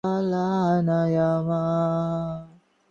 সে জরুরি কিছু বলতে চায়।